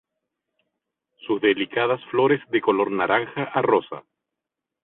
Sus delicadas flores de color naranja a rosa.